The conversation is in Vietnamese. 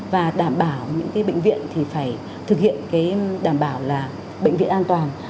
và đảm bảo những cái bệnh viện thì phải thực hiện đảm bảo là bệnh viện an toàn